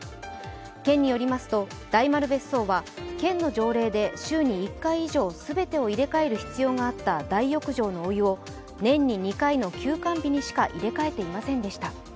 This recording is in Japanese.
県によりますと大丸別荘は県の条例で週に１回以上、全てを入れ替える必要があった大浴場のお湯を年に２回の休館日にしか入れ替えていませんでした。